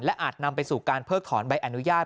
อาจนำไปสู่การเพิกถอนใบอนุญาต